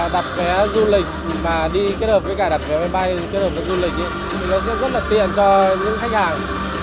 dịch vụ của du lịch kết hợp với cả các đoàn hàng không